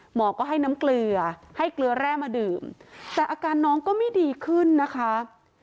หมอก็ให้น้ำเกลือให้เกลือแร่มาดื่มแต่อาการน้องก็ไม่ดีขึ้นนะคะ